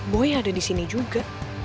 boy ada disini juga